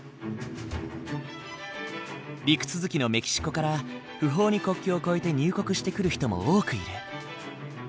陸続きのメキシコから不法に国境を越えて入国してくる人も多くいる。